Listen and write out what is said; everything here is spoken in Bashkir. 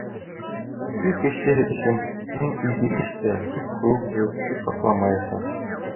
Өфө кешеһе өсөн мең изге эш тә сүп кеүек ғәйепте ҡапламаясаҡ.